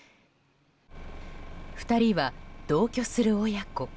２人は同居する親子。